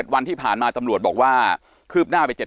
วันที่ผ่านมาตำรวจบอกว่าคืบหน้าไป๗๐